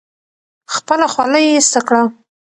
خپله خولۍ ایسته کړه.